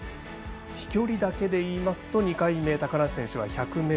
飛距離だけでいいますと２回目高梨選手は１００ｍ。